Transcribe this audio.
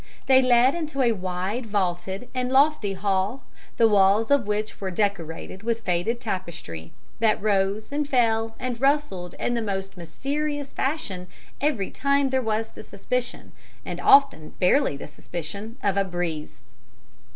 They led into a wide vaulted and lofty hall, the walls of which were decorated with faded tapestry, that rose, and fell, and rustled in the most mysterious fashion every time there was the suspicion and often barely the suspicion of a breeze.